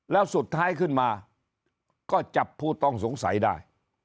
แล้วสุดท้ายขึ้นมาก็จับผู้ต้องสงสัยได้